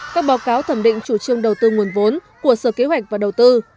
các báo cáo thẩm định chủ trương đầu tư nguồn vốn của sở kế hoạch và đầu tư